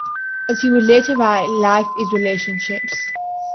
As he would later write, Life is relationships.